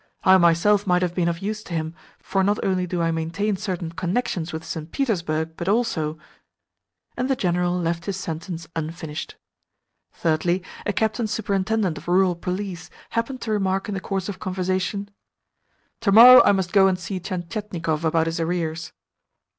I myself might have been of use to him, for not only do I maintain certain connections with St. Petersburg, but also " And the General left his sentence unfinished. Thirdly, a captain superintendent of rural police happened to remark in the course of conversation: "To morrow I must go and see Tientietnikov about his arrears."